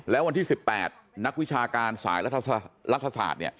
แล้ววันที่๑๘นักวิชาการสายรัฐศาสตร์เนี่ย